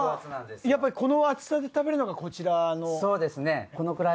やっぱりこの厚さで食べるのがこちらの。